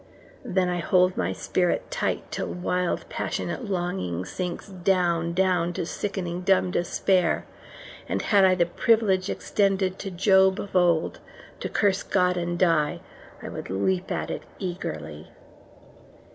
Then I hold my spirit tight till wild passionate longing sinks down, down to sickening dumb despair, and had I the privilege extended to job of old to curse God and die I would leap at it eagerly.